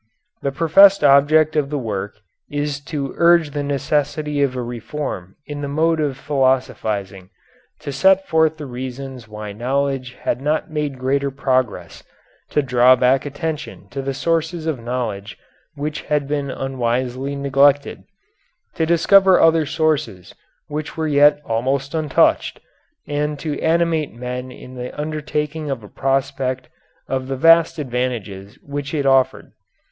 The professed object of the work is to urge the necessity of a reform in the mode of philosophizing, to set forth the reasons why knowledge had not made greater progress, to draw back attention to the sources of knowledge which had been unwisely neglected, to discover other sources which were yet almost untouched, and to animate men in the undertaking of a prospect of the vast advantages which it offered.